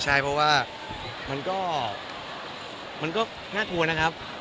ใช่เพราะว่ามันก็มันก็น่าควรนะครับ